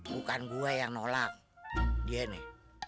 bukan gue yang nolak dia nih